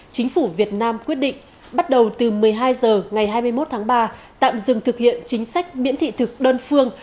chính phủ việt nam quyết định bắt đầu từ một mươi hai h ngày hai mươi một tháng ba tạm dừng thực hiện chính sách miễn thị thực đơn phương